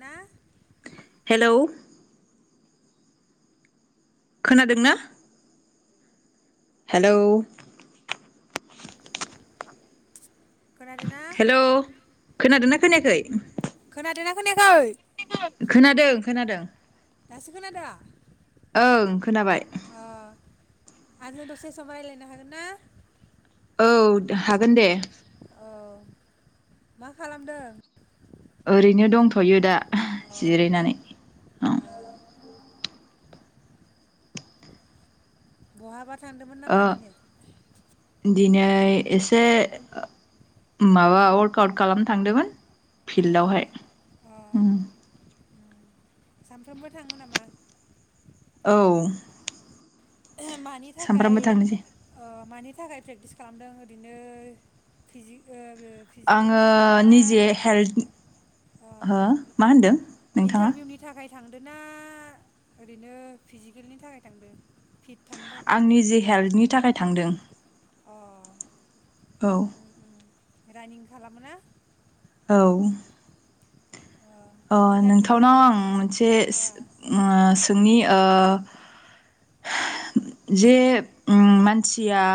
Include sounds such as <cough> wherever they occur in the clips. ना हेलौ खोनादोंना हेलौ खोनादोंना हेलौ खोनादो ना खोनायाखै खोनादोंना खोनायाखै खोनादों खोनादों दासो खोनादो ओं खोनाबाय अ आं जों दसे समाव रायज्लायनो हागोन ना औ हागोन दे औ मा खालामदों ओरैनो दंथ'यो दा अ जिरायनानै औ अ बहाबाथ थांदोंमोन नामाददिनो इ एसे माबा वाकॅआउट खालामनो थांदोंमोन अ फिल्डआवहाय अ ह सानफ्रोमबो थाङो नामा औ मानि थाखाय सामफ्रामबो थांनोसै ओ मानि नि थाखाय प्रेक्टिस खालामदों ओरैनो फिजि फिजिकेलनि थाखाय ना अ आङो <inaudible> फिद आंनि जि हेल्थनि थाखाय थांदों अ औ उम रानिं खालामग्रा औ अ ओ इन्टारभिउ नोंथांनाव इन आं मोनसे अ ओ सोंनि जे उम मानसि आ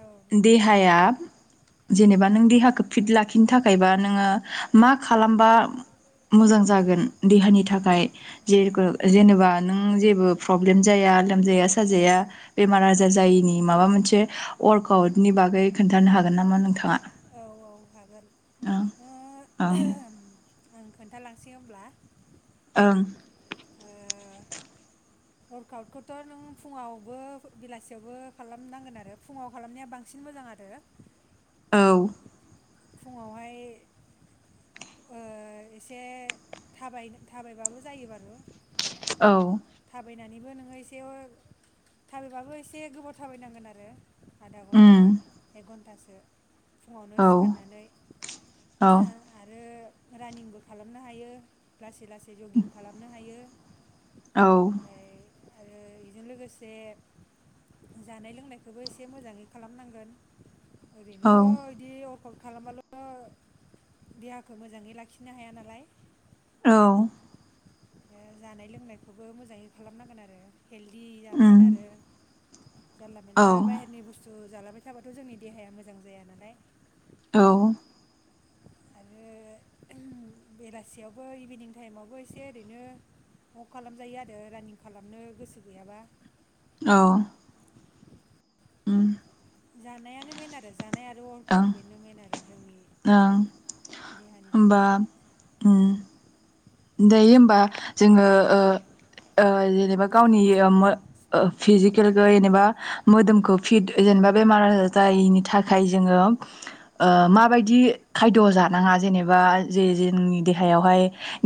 औ देहाया जेनेबा नों देहाखौ फिट लाखिनो थाखाय बा नोङो मा खालामबा मोजां जागोन देहानि थाखाय लोमजाया औ साजाया बेमार आजार जायैनि माबा मोनसे अरकाउटनि बागै खोन्थानो हागोन नामा नोंथाङा? <inaudible> आं खोन्थालांसै अब्ला ओं <inaudible> औ फुङावहाय ओ एसे थाबाय थाबायबाबो जायो बारु औ फैनानैबो नोङो एसे थाबायबाबो एसे गोबाव थाबाय नांगोन आधा घन्टा उम एकघन्टास <inaudible> फुंङावनो औ सिख फाननानै औ आरो रानिंबो खालामनो हायो लासै लासै जगिं खालामनो हायो औ ओमफ्राय आरो इजों लोगोसे जानाय लोंनायखौबो इसे मोजाङै खालामनांगोन ओरैनोथ औ इदि अ <unintelligible> खालामबाल देहाखौ मोजाङै लाखिनो हाया नालाय औ ओ जानाय लोंनायखौबो मोजाङै उम खालामनांगोन आरो <inaudible> जानला औ मेनला बायहेरनि बुस्थु जालाबाय थाबाथ जोंनि देहाया मोजां जाया नालाय औ आरो ओ होम बेलासियावबो इभिनिं टाइमावबो एसे ओरैनो अक खालामजायो आरो रानिं खालामनो गोसो गैयाबा औ ओम जानायानो मेन आरो जानाय आरो अर्कआउट ओं बेनो मेन आरो जोंनि ओं देहानि होमबा थाखाय उम दायो ओमबा जोङो ओ-ओ जेनेबा गावनि ओमो ओ फिजिक। केलखो जेनेबा मोदोमखो फिट जेनेबा बेमार-आजार जायिनि थाखाय जोङो ओ माबायदि खायद'जानाङा जेनेबा जे जोंनि देहायावहाय।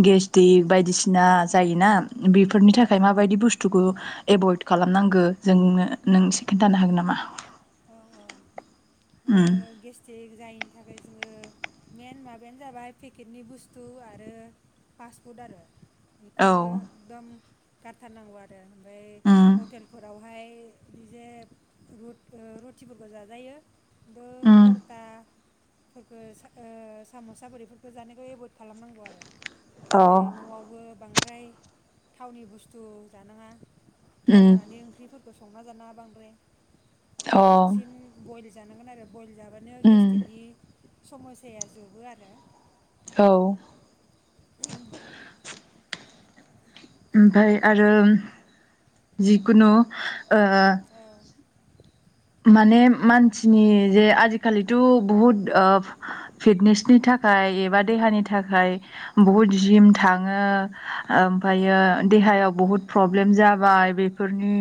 गेस्टिक बायदिसिना जायोना। बिफोरनि औ थाखाय माबायदि बुस्थुखौ एभयड। खालामनांगो जोंनो नों इसे खिन्थानो हागोन नामा? औ औ ओ गेस्टिक जायिनि। थाखाय जोङो मेइन माबायानो जाबाय पेकेटनि बुस्थु आरो पास्टफुड आरो। बेखो दम। गारथारनांगौ आरो। ओमफ्राय हटेलफोराव। ओमफाय <unintelligible> रुटिफोरखौ जाजायो। दो परता। फोरखो सा ओ सामसा बोरैफोरखो जानायखो एभयड खालामनांगौ आरो। ओमफ्राय न'आवबो बां। ओमफ्राय थावनि बुस्थु जानाङा। थाव ओमफ्राय होनानै ओंख्रिफोर। संना जानाङा बांद्राय। बांसिन बइल। जानांगोन आरो। बइल जाबानो गेस्टिकनि। समयसाया जोबो आरो। औ। <inaudible> ओमफाय आरो जिकुनु। ओ। औ माने मानसिनि जे आजिखालिथु बुहुद ओ फिटनेसनि थाखाय एबा देहानि थाखाय। बुहुद जिम थाङो औ ओमफायो देहायाव बुहुद। प्रब्लेम जाबाय बेफोरनि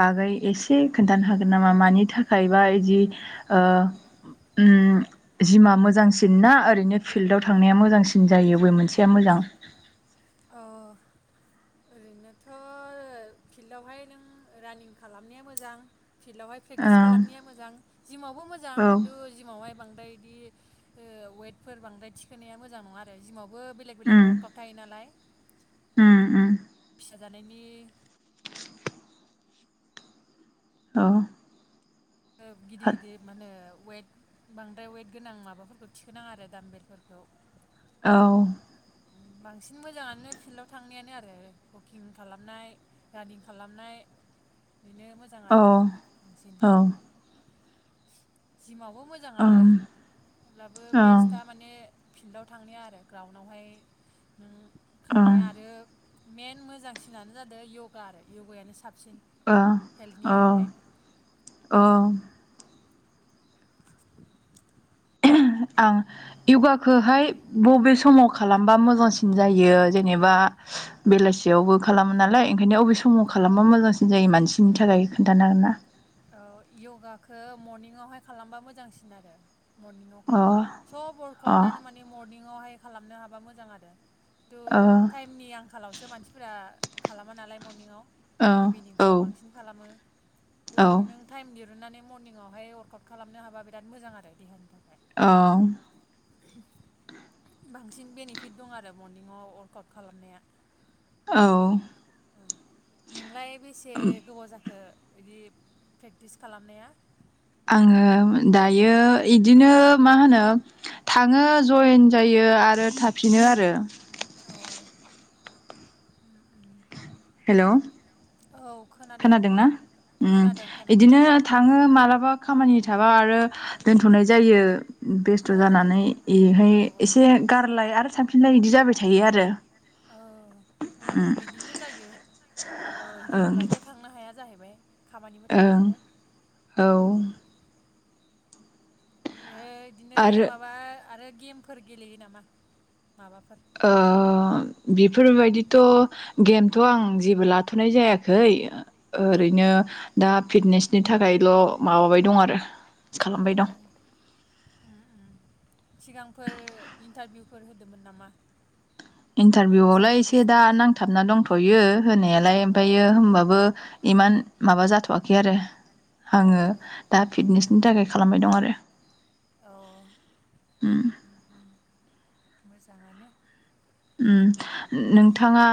बागै एसे खोन्थानो हागोन ना? मा-मानि थाखायबा इदि ओ ओम जिमा मोजांसिन ना ओरैनो फिल्डाव थांनाया मोजांसिन जायो अबे मोनसेया मोजां? अ ओरैनोथ फिल्डावहाय नों रानिं खालामनाया मोजां। फिल्डावहाय प्रेकटिस ओं खालामनाया मोजां। जिमावबो मोजां औ खिन्थु जिमावहाय बां। ओमफ्राय इदि ओ वाइटफोर बांद्राय थिखोनाया मोजां नङा आरो। जिमावबो बेलेग बेलेग उम अरकाब थायो नालाय। उम उम फिसा जानायनि। औ। ओ औ गिदिर-गिदिर मा होनो वाइट बांद्राय वाइट गोनां माबाफोरखौ थिखोनाङा आरो दाम बेलफोरखौ। औ बांसिन मोजाङानो फिल्डाव थांनायानो आरो वाकिं खालामनाय, रानिं खालामनाय। बेनो मोजां औ आरो ओं बांसिन ओं ओं जिमावबो मोजाङानो अब्लाबो बेस्टआ माने फिल्डाव थांनाया आरो ग्राउन्डावहाय नों खारनाया आरो मेन मोजांसिनानो जादों इउगा आरो इउगायानो साबसिन ओ औ हेल्टनि थाखाय औ आं इउगाखोहाय बबे समाव खालामबा मोजांसिन जायो जेनेबा बेलासियावबो खालामो नालाय ओंखायनो अबे स माव खालामबा औ मोजांसिन जायो मानसि नि थाखाय खोन्थानो हागोन ना औ इउगाखो मरनिंयावहाय खालामबा मोजांसिन आरो मरनिंआव खालामो सब अ अ वरखाउदानो माने मरनिंआवहाय खालामनो हाबा मोजां आरो दुर टाइमनि आंखालावसो मानसिफोरा खालामा नालाय मरनिंआव ओ ओ इभिनिंफोराव बांसिन खालामो औ ओ औ नों थाइम दिरुननानै मरनिंआवहाय वार्कआउट खालामनो हाबा बिराद मोजां आरो देहानि थाखाय औ बांसिन बेनिफिट दं आरो मरनिंयाव वर्काउट खालामनाया। औ नोंलाय बेसे गोबाव जाखो? बिदि प्रेक्टिस खालामनाया। आङो दायो इदिनो मा होनो थाङो जइेन जायो आरो थाफिनो आरो औ हेलौ औ खोनादों खोनादोंना उम खोनादों खोनादों इदिनो थाङो मालाबा खामानि थाबा आरो दोनथ'नाय जायो। औ बेस्थ' जानानै एहाय औ एसे गारलाय आरो थाफिनलाय इदि जाबाय थायो आरो औ उम। बिदिनो जायो रेगुलारथ' थांनो हाया जाहैबाय खामानिबो थायो ओं नालाय औ ए दिनो आरो माबा आरो गेमफोर गेलेयो नामा‌ नों माबाफोर ओ बेफोरबायदिथ' गेमथ' आं जेबो लाथ'नाय जायाखै औ ओरैनो दा फिटनेसनि थाखायल' माबाबाय दं आरो। औ औ खालामबाय दं उम उम सिगांफोर इन्टारभिउ फोर होदोमोन नामा? आसाम इन्टारभिउआवलाय एसे दा पुलिसनि नांथाबना दंथ'यो होनायालाय औ ओमफायो औ होमबाबो इमान माबा जाथ' वाखै आरो। आङो दा औ फिटनेसनि थाखाय खालामबाय दं आरो औ उम। मोजाङानो। उम नोंथाङा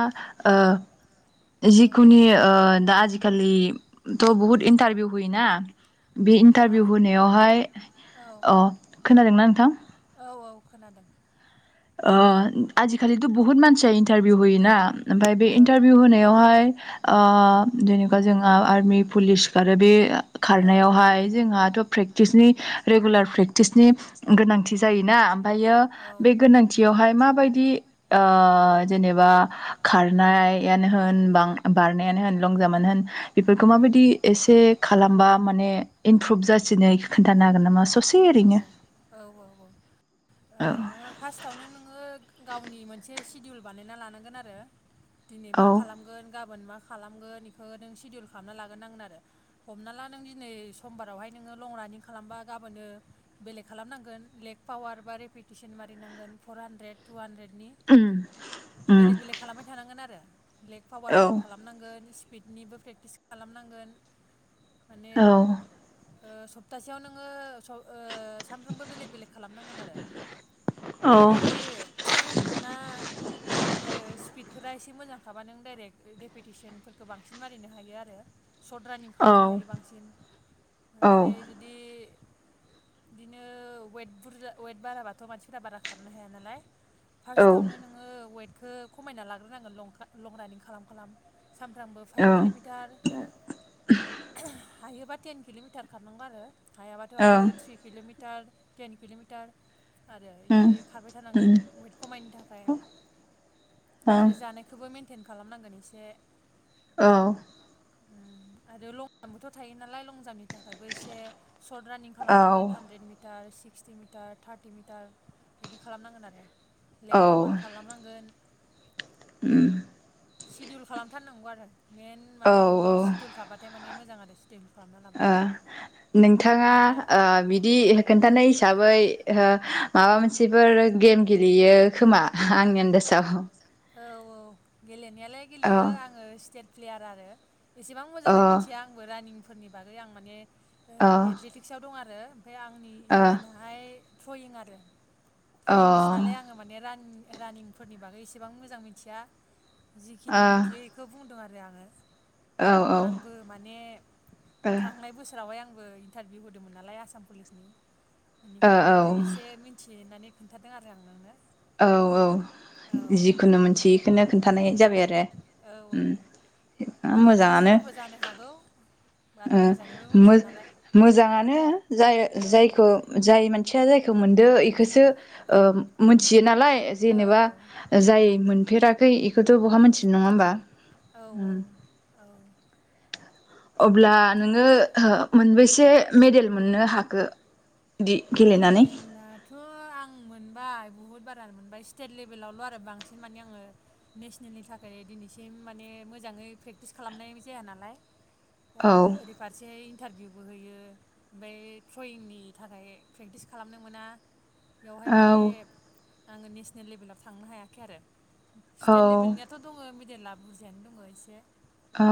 ओ औ जिखुनि ओ दा आजिखालि थ' बुहुत इन्टारभिउ होयो ना? बे हा इन्टारभिउ होनायावहाय औ अ' खोनादोंना नोंथां? औ खोनादों। ओ आजिखालिथ' बुहुत मानसि दाइ इन्टारभिउ होयोना ओमफाय बे औ उम औ इन्टारभिउ होनायावहाय आह जेनेबा जोंहा आर्मि, पुलिस आरो बे खारनायावहाय जोंहाथ' प्रेक्टिसनि रेगुलार प्रेक्टिसनि गोनांथि जायोना फायो बे गोनांथियावहाय मा बायदि ओह जेनेबा खार खारनायानो होन बारनायानो होन लं जाम्पानो होन बेफोरखौ माबायदि एसे खालामबा माने इमप्रुभ जासिनो खोन्थानो हागोन नामा स औ, औ औ औ ओ औ फार्स आवनो नोङो गावनि मोनसे सिडिउल बानायना लानांगोन आरो। दिनै मा औ खालामगोन गाबोन मा खालामगोन बेखौ नों सिडिउल खालामना लाग्रो नांगोन आरो हमना ला नों दिनै समबारावहाय नोङो लं रानिं खालामबा गाबोनो बेलेग खालामनांगोन लेग पावार बा रेपिटेसन मारिनांगोन फर हानद्रेद, टु हानद्रेद बिनि उम उम बेलेग बेलेक खालामबाय थानांगोन आरो। ब्लेक औ पावारफोरबो खालामनांगोन फिटनिबो प्रेक्टिस खालामनांगोन। माने औ ओ सप्तासेयाव नोङो स ओ सामफ्रामबो बेलेक बेलेक खालामनांगोन आरो औ बिदि नोंना ओ स्पिड फोरा एसे मोजांखाबा नों डाइरेक्ट डेपुटेसनफोरखौ बांसिन मारिनो हायो आरो सर्ट रानिं औ खालामनो हायो बांसिन औ ओमफ्राय जुदि बिदिनो वेट बुरजा वेट बाराबाथ' मानसिफोरा बारा खारनो हाया नालाय। औ ओं फास्टआवनो नोङो वेट खौ खमायना लाग्रोनांगोन लं लं रानिं खालाम खालाम सानफ्रामबो फाइभ किल'मिटार हायोबा टेन किल'मिटार खारनांगौ आरो हायाबाथ' आरो किल'मिटार टेन किल'मिटार आरो बिदि उम खारबाय थानांगोन उम वेट खमायनो थाखाय ओं आरो जानायखौबो मेन जगिं खालामनांगोन इसे औ आरो लं जाम्पबोथ' थायो नालाय लं जाम्पनि थाखायबो एसे सर्ट रानिं औ खालामनांगोन हानद्रेद मिट metre sixty metre thirty metre बिदि खालामनांगोन आरो औ लेग पावार खालामनांगोन। उम सिडउल खालामथारनांगौ आरो मेन औ माने नोंनाव सिडउल थाबाथाय माने मोजांयानो। ओ उम, नोंथाङा होमबाना ओ बिदि औ खोन्थानाय हिसाबै माबा ओ मोनसे बिफोर गेम गेलेयो खोमा आंनि आन्दासाव। औ गेलेनायालाय अ गेलेयो आङो स्टेट प्लेयार आरो एसेबां मोजाङै अ मिथिया आंबो रानिं फोरनि बागै आं माने। अ एथलेटिक्सआव दं आरो ओमफ्राय आंनि अ इभेन्टआहाय। थ्रयिं आरो। थ्रयिंनिसो नालाय आङो माने राननिं रानिंफोरनि बागै एसे बेसेबां मोजां मिथिया। जिखिनि अ मिन्थियो औ बेखौ बुंदों आरो। ओफ्राय आङो। औ ओ आंबो माने थांनाय बोसोरावहाय आं आंबो इन्टारभिउ होदोंमोन नालाय आसाम पुलिसनि ओ बेनिखायनो औ एसे मिथिनानै खोनन्थादों आरो आं नोंनो औ औ औ जि खुनो मोनसे इखोनो खोनन्थानाय जाबाय आरो औ ओम मोजाङानो। गोरोन्थिफोरबो जानो हागौ बारा ओ मोजाङैबो मो मिथिया नालाय मोजाङानो जाय औ जायखौ जाय मानसिया जायखौ मोनो ओ इखौसो ओ मो थियो नालाय औ जेनेबा जाय मोन मोनुफेराखै बेखौथ' बहा मिथिनो नङा होमबा? औ औ उम औ। अब्ला नोङो मोनबेसे मेडेल मोननो हा खो मेडलाथ' आं मोनबाय बुहुत बारा मोनबाया स्टेट लेभेलावल' आरो बांसिन माने आङो नेसनेलनि थाखाय दिनैसिम माने मोजाङै प्रेक्टिस खालामनाय जाया नालाय। दा औ ओरै फारसे इन्टारभिउबो होयो ओमफ्राय थ्रयिंनि थाखाय प्रेक्टिस खालामनो मोना बेवहाय औ माने आङो नेसनेल लेभेलाव थांनो हायाखै आरो औ स्टेट लेभेलनियाथ' दङ देला बुरजायानो दङ एसे औ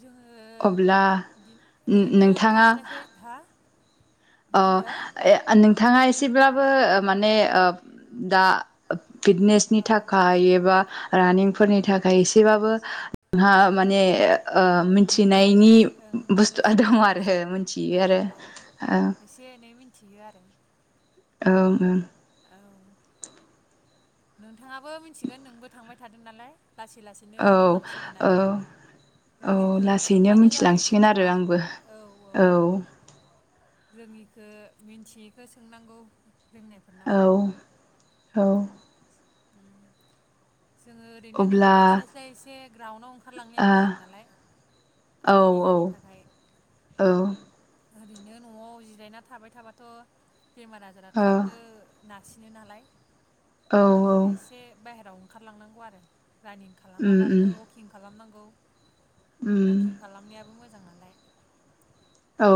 जोङो अब्ला बिदिनो ओरैनो नोंथाङा थास्लायस्लाय हा मा होनदो अ नोंथाङा एसेब्ला बो माने ओ दा फिटनेसनि औ थाखाय एबा रानिंफोरनि थाखाय एसेबाबो जोंहा माने ओ उम मिथिनायनि नलेज ओं नलेज बुस्थुआ दं एसे आरो औ मिथियो आरो औ ओ एसे एनै मिथियो आरो औ ओं औ नोंथाङाबो मिथिगोन नोंबो थांबाय थादों नालाय लासै लासैनो औ रोंलांसिगोन औ आरो औ रोङिखो लासैनो सोंबानो जाबाय मिथिलांसिगोन आरो सोरनावबा आंबो औ औ रोङिखौ मिथियैखो सोंनांगौ रोंनायफोरनावहाय औ - औ जोङो ओरैनो न'आव अब्ला थास्लायस्लाय एसे ग्राउन्डआव ओंखारलांनाया मोजां नालाय ओ गावनि औ देहानि थाखाय औ ओरैनो न'आव जिरायना थाबाय थाबाथ' बेमार आजारा औ थाबनो नारसिनो नालाय औ बिदिनो एसे बाहेराव ओंखारलांनांगौ आरो रानिं उम उम खालामाबाबो अकिं खालामनांगौ गौ उम बुकिं खालामनायाबो मोजां मोजां नालाय ओ